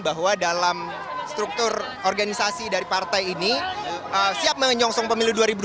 bahwa dalam struktur organisasi dari partai ini siap menyongsong pemilu dua ribu dua puluh